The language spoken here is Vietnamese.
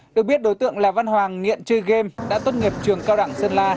được biết đối tượng là văn hoàng nghiện chơi game đã tốt nghiệp trường cao đẳng sơn la